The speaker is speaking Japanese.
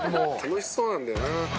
「楽しそうなんだよな」